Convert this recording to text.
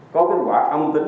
có kết quả âm tính